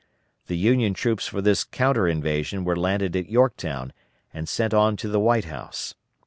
The Union troops for this counter invasion were landed at Yorktown and sent on to the White House.